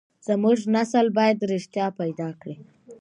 زموږ نسل بايد رښتيا پيدا کړي.